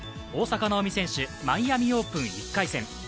大坂なおみ選手、マイアミ・オープン１回戦。